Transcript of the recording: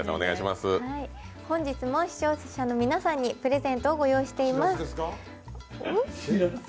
本日も視聴者の皆さんにプレゼントをご用意しています。